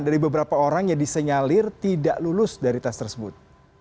dari beberapa orang yang disenyalir tidak lulus dari tes tersebut